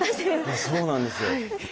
そうなんですよ。